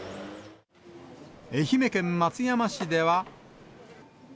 愛媛県松山市では。